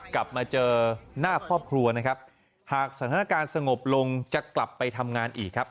กลับมาเจอหน้าครอบครัวนะครับหากสถานการณ์สงบลงจะกลับไปทำงานอีกครับ